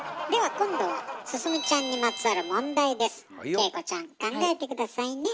景子ちゃん考えて下さいね。